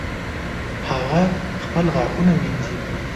هغه خپل غاښونه مینځي